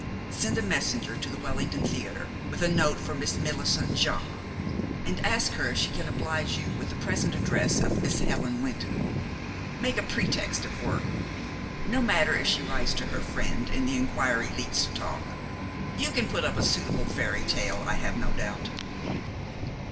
Send a messenger to the Wellington Theater with a note for Miss Millicent Jaques, and ask her if she can oblige you with the present address of Miss Helen Wynton. Make a pretext of work. No matter if she writes to her friend and the inquiry leads to talk. You can put up a suitable fairy tale, I have no doubt."